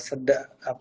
ada sedikit peningkatan